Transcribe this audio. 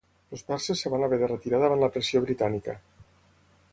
Els perses es van haver de retirar davant la pressió britànica.